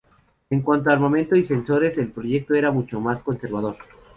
En cuanto a armamento y sensores el proyecto era mucho más conservador.